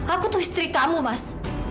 aku tuh istri kamu mas